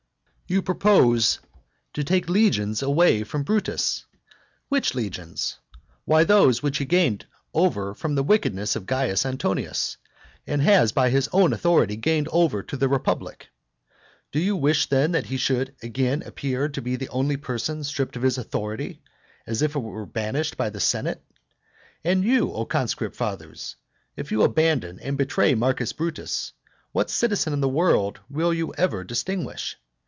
You propose to take the legions away from Brutus which legions? Why, those which he has gained over from the wickedness of Caius Antonius, and has by his own authority gained over to the republic. Do you wish then that he should again appear to be the only person stripped of his authority, and as it were banished by the senate? And you, O conscript fathers, if you abandon and betray Marcus Brutus, what citizen in the world will you ever distinguish?